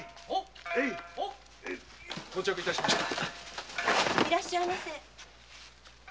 到着致しました。